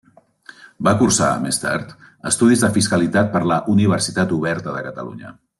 Va cursar, més tard, estudis de Fiscalitat per la Universitat Oberta de Catalunya.